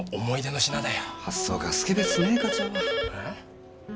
発想がスケベっすね課長は。